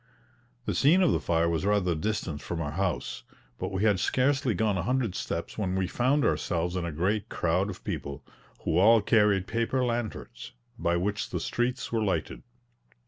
The scene of the fire was rather distant from our house, but we had scarcely gone a hundred steps when we found ourselves in a great crowd of people, who all carried paper lanterns, {330a} by which the streets were lighted.